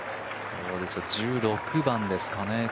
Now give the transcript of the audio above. １６番ですかね